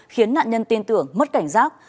khiến nạn nhân tin tưởng mất cảnh giác